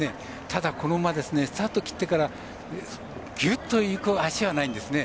ただ、この馬スタートを切ってからぎゅっといく脚はないんですね。